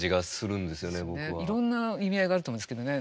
いろんな意味合いがあると思うんですけどね。